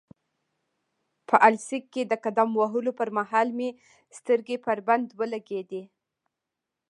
په السیق کې د قدم وهلو پرمهال مې سترګې پر بند ولګېدې.